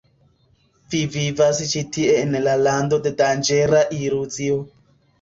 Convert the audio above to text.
Vi vivas ĉi tie en lando de danĝera iluzio.